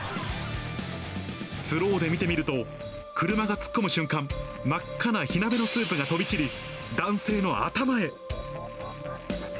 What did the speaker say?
スローで見てみると、車が突っ込む瞬間、真っ赤な火鍋のスープが飛び散り、男性の頭へ。